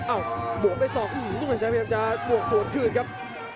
อ้าวบวกได้สองแจ็คพยายามจะบวกส่วนขึ้นครับ